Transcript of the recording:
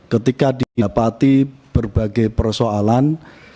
ketika didapati berbagai persoalan